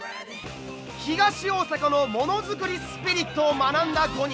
東大阪のモノづくりスピリットを学んだ５人。